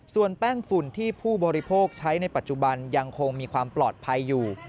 ส่วนแป้งฝุ่นที่ผู้บริโภคใช้ในปัจจุบันยังคงมีความปลอดภัยอยู่